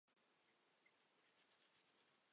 圣罗伦斯大道车站列车服务。